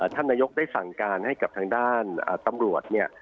ท่านนายกได้สั่งการให้กับทางด้านตำรวจเนี่ย